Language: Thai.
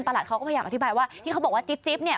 ประหลัดเขาก็ต้องไปอย่างอธิบายว่าที่เขาบอกว่าจิ๊บเนี่ย